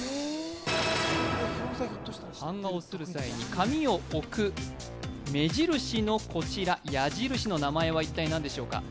版画を刷る際に紙を置く目印の矢印の名前は一体なんでしょうか。